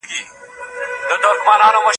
د پټو رازونو ساتل هم د وفادارۍ برخه ده.